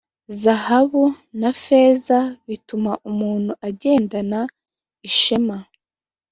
Zahabu na feza bituma umuntu agendana ishema,